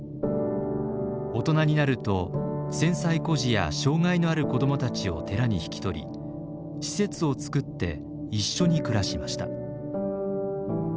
大人になると戦災孤児や障害のある子どもたちを寺に引き取り施設をつくって一緒に暮らしました。